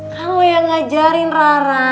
kamu yang ngajarin rara